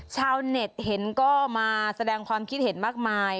ชาวเน็ตเห็นก็มาแสดงความคิดเห็นมากมาย